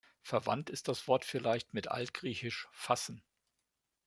Verwandt ist das Wort vielleicht mit altgriechisch ‚fassen‘.